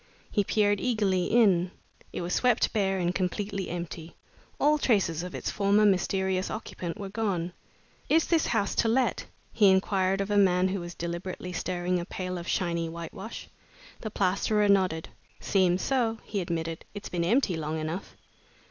He peered eagerly in. It was swept bare and completely empty. All traces of its former mysterious occupant were gone. "Is this house let?" he inquired of a man who was deliberately stirring a pail of shiny whitewash. The plasterer nodded. "Seems so," he admitted. "It's been empty long enough."